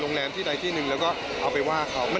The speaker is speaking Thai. โรงแรมที่ใดที่หนึ่งแล้วก็เอาไปว่าเขา